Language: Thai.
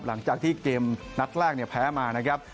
หลังจากที่เกมนัดแรกเนี่ยแพ้มานะครับ